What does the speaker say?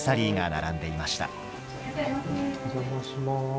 お邪魔します。